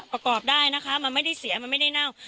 ประกอบได้นะคะมันไม่ได้เสียมันไม่ได้เน่า